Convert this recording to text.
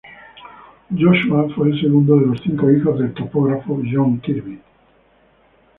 Joshua fue el segundo de los cinco hijos del topógrafo John Kirby.